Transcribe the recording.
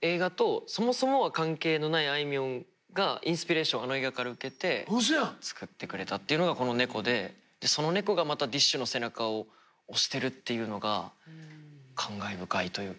映画とそもそもは関係のないあいみょんがインスピレーションあの映画から受けて作ってくれたっていうのがこの「猫」でその「猫」がまたＤＩＳＨ／／の背中を押してるっていうのが感慨深いというか。